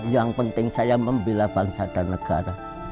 yang penting saya membela bangsa dan negara